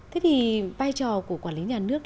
thế thì vai trò của quản lý nhà nước